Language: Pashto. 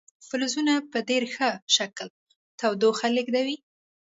فلزونه په ډیر ښه شکل تودوخه لیږدوي.